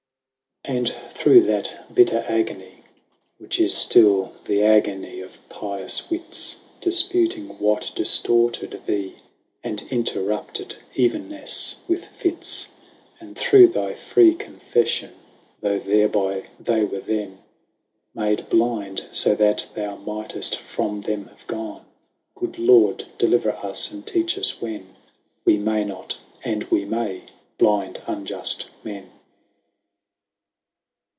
And through that bitter agonie, Which is ftill the agonie of pious wits, Difputing what diftorted thee, 165 And interrupted evennefTe, with fits ; And through thy free confeffion Though thereby they were then Made blind, fo that thou might'ft from them have gone, Good Lord deliver us, and teach us when 1 70 Wee may not, and we may blinde unjuft men.